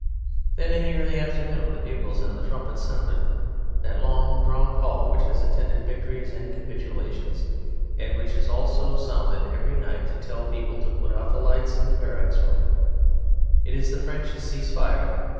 Then, in the early afternoon, the bugles and the trumpets sounded that long drawn call which has attended victories and capitulations, and which is also sounded every night to tell people to put out the lights in the barrack rooms. It is the French "Cease fire."